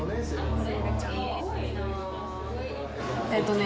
えっとね